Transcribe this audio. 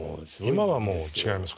今はもう違います。